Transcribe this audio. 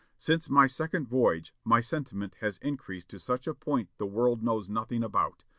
Since my second voyage, my sentiment has increased to such a point the world knows nothing about.